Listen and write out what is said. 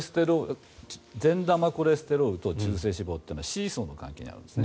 善玉コレステロールと中性脂肪というのはシーソーの関係にあるんです。